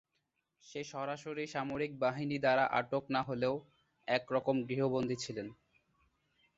সে সরাসরি সামরিক বাহিনী দ্বারা আটক না হলেও এক রকম গৃহবন্দী ছিলেন।